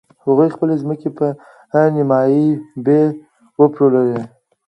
هغوی خپلې ځمکې په نیمايي بیه وپلورلې.